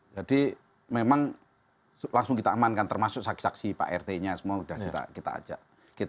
jadi memang langsung kita amankan termasuk saksi saksi pak rt nya semua sudah kita ajak